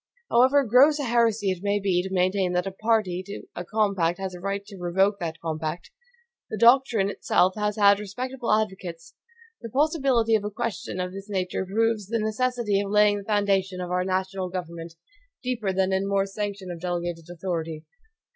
However gross a heresy it may be to maintain that a PARTY to a COMPACT has a right to revoke that COMPACT, the doctrine itself has had respectable advocates. The possibility of a question of this nature proves the necessity of laying the foundations of our national government deeper than in the mere sanction of delegated authority.